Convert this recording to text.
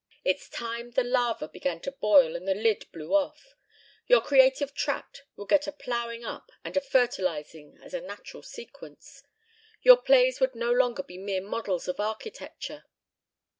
It's time the lava began to boil and the lid blew off. Your creative tract would get a ploughing up and a fertilizing as a natural sequence. Your plays would no longer be mere models of architecture.